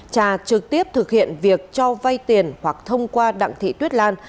cha trực tiếp thực hiện việc cho vay tiền hoặc thông qua đặng thị tuyết lan